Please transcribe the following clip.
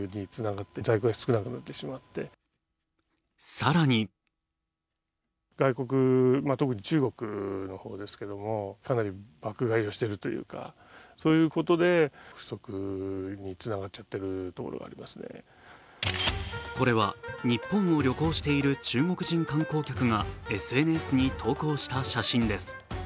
更にこれは日本を旅行している中国人観光客がＳＮＳに投稿した写真です。